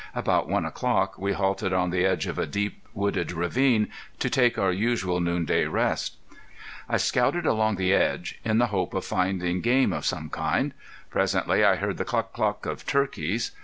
About one o'clock we halted on the edge of a deep wooded ravine to take our usual noonday rest. I scouted along the edge in the hope of seeing game of some kind. Presently I heard the cluck cluck of turkeys.